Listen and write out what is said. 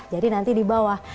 jadi nanti di bawah